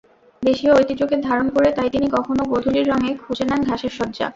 দেশীয় ঐতিহ্যকে ধারণ করে তাই তিনি কখনো গোধূলির রঙে খুঁজে নেন ঘাসের শয্যা।